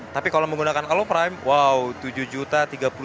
tapi kalau menggunakan aloprime wow tujuh juta tiga puluh sembilan dua ratus